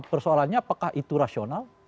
persoalannya apakah itu rasional